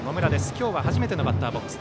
今日は初めてのバッターボックス。